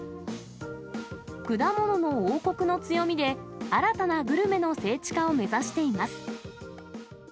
くだものの王国の強みで、新たなグルメの聖地化を目指しています。